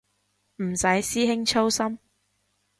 唔使師兄操心